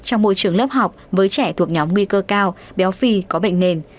trong môi trường lớp học với trẻ thuộc nhóm nguy cơ cao béo phì có bệnh nền